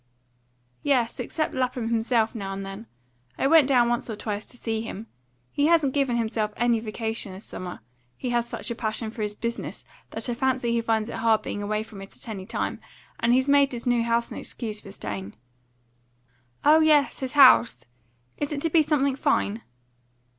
"Yes, except Lapham himself, now and then. I went down once or twice to see him. He hasn't given himself any vacation this summer; he has such a passion for his business that I fancy he finds it hard being away from it at any time, and he's made his new house an excuse for staying." "Oh yes, his house! Is it to be something fine?"